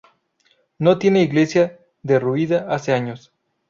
No tiene iglesia, derruida hace años.